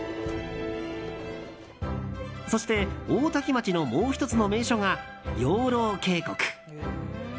そして大多喜町のもう１つの名所が養老渓谷。